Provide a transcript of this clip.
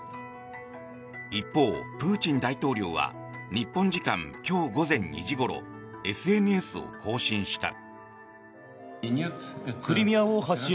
一方、プーチン大統領は日本時間今日午前２時ごろＳＮＳを更新した。